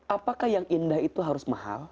apakah yang indah itu harus mahal